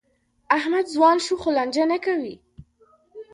احمد ځوان شو؛ خو لانجه نه کوي.